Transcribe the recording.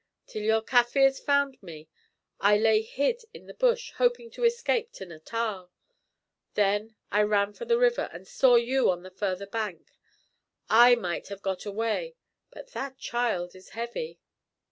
Till your Kaffirs found me I lay hid in the bush, hoping to escape to Natal. Then I ran for the river, and saw you on the further bank. I might have got away, but that child is heavy."